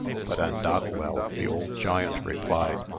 But Andaguel the old giant replied.